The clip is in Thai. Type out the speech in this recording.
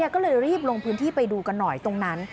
ก็เลยรีบลงพื้นที่ไปดูกันหน่อยตรงนั้น